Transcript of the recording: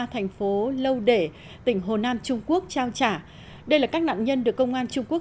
thành phố lâu để tỉnh hồ nam trung quốc trao trả đây là các nạn nhân được công an trung quốc